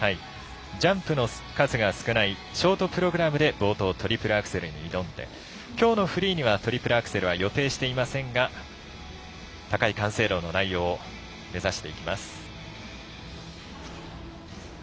ジャンプの数が少ないショートプログラムで冒頭、トリプルアクセルに挑んできょうのフリーにはトリプルアクセルは予定していませんが高い完成度の内容を目指していきます。